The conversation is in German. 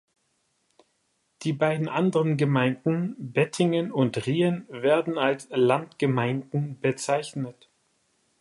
Die beiden anderen Gemeinden, Bettingen und Riehen, werden als "Landgemeinden" bezeichnet.